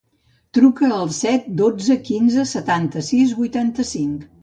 Truca al set, dotze, quinze, setanta-sis, vuitanta-cinc.